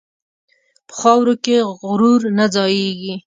په خاورو کې غرور نه ځایېږي.